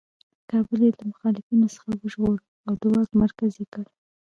کابل یې له مخالفینو څخه وژغوره او د واک مرکز یې کړ.